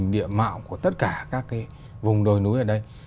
địa mạo của tất cả các cái vùng đồi núi ở đây